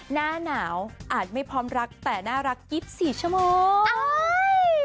หน้าหนาวอาจไม่พร้อมรักแต่น่ารัก๒๔ชั่วโมง